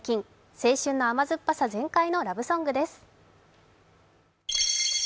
青春の甘酸っぱさ全開のラブソングです。